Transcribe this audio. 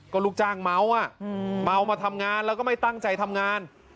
ก็ลูกจ้างเมาอ่ะเมามาทำงานแล้วก็ไม่ตั้งใจทำงาน